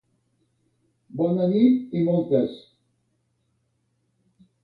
Bona nit i moltes!